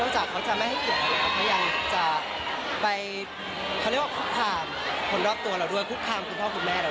ด้วยคำที่ดูถูกตัวเราให้คุณพ่อคุณแม่เรา